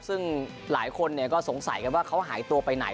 ซึ่งหลายคนก็สงสัยกันว่าเขาหายตัวไปไหน